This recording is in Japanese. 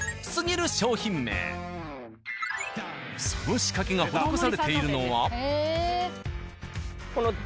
その仕掛けが施されているのは。